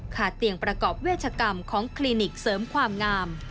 เตียงประกอบเวชกรรมของคลินิกเสริมความงาม